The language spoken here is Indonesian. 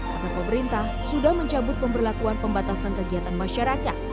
karena pemerintah sudah mencabut pemberlakuan pembatasan kegiatan masyarakat